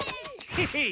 ヘヘッ！